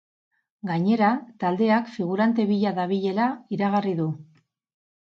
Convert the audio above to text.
Gainera, taldeak figurante bila dabilela iragarri du.